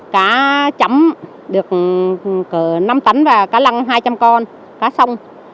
cá chấm được năm tấn và cá lăng hai trăm linh con cá xong